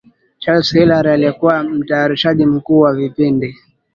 Charles Hillary aliyekuwa Mtayarishaji Mkuu wa vipindi